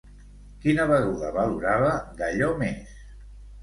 Quina beguda valorava d'allò més?